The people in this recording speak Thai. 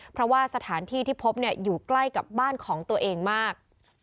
เพราะว่าสถานที่ที่พบอยู่ใกล้กับบ้านของตัวเองมาก